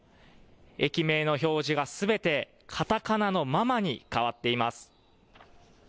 駅名の表示がすべてカタカナのママに変わっています。